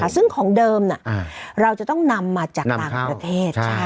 ซึ่งของเดิมเราจะต้องนำมาจากต่างประเทศ